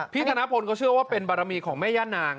ธนพลก็เชื่อว่าเป็นบารมีของแม่ย่านาง